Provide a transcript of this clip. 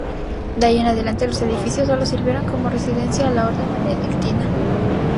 De ahí en adelante los edificios sólo sirvieron como residencia a la Orden Benedictina.